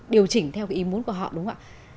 điều chỉnh theo cái ý muốn của họ đúng không ạ